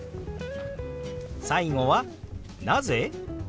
最後は「なぜ？」。